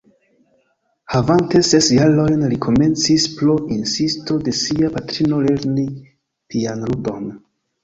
Havante ses jarojn li komencis pro insisto de sia patrino lerni pianludon.